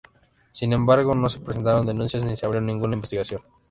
Sin embargo, no se presentaron denuncias ni se abrió ninguna investigación.